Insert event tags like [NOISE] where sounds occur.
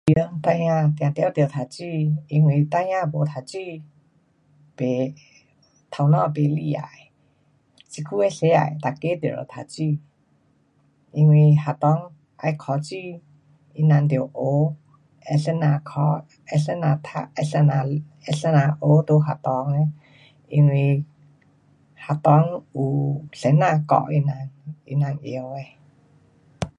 [UNINTELLIGIBLE] 孩儿一定要读书，因为孩儿没读书，头脑不厉害。现在的世界每个都要读书。因为学校要考书。他们要学怎么样考，怎么样读，怎么样学，在学堂。因为学校有老师教他们。一定的。